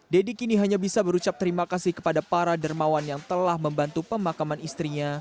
deddy kini hanya bisa berucap terima kasih kepada para dermawan yang telah membantu pemakaman istrinya